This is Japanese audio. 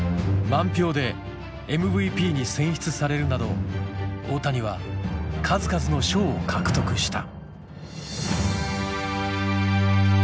満票でＭＶＰに選出されるなど大谷は数々の賞を獲得した。